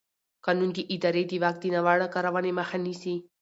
قانون د ادارې د واک د ناوړه کارونې مخه نیسي.